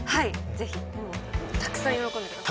是非もうたくさん喜んでください！